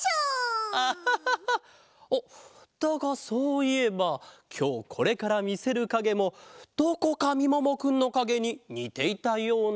アハハハだがそういえばきょうこれからみせるかげもどこかみももくんのかげににていたような。